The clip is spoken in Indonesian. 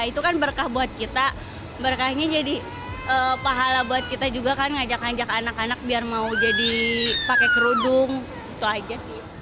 itu kan berkah buat kita berkahnya jadi pahala buat kita juga kan ngajak ngajak anak anak biar mau jadi pakai kerudung itu aja